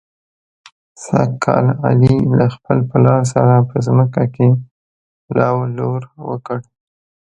سږ کال علي له خپل پلار سره په ځمکه کې لو لور وکړ.